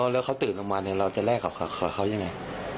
แล้วเขาตื่นออกมาเราจะแลกกับเขายังไง